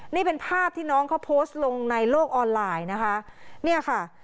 นี่เป็นภาพที่น้องเขาโพสต์ลงในโลกออนไลน์นะคะเนี่ยค่ะ